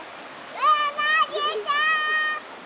うなぎさん！